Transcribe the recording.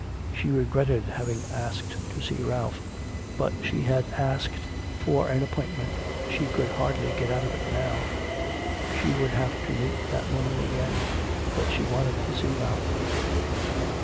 She regretted having asked to see Ralph, but she had asked for an appointment, she could hardly get out of it now.... She would have to meet that woman again, but she wanted to see Ralph.